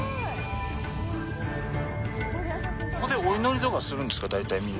ここでお祈りとかするんですか、大体みんな。